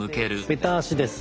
ベタ足です。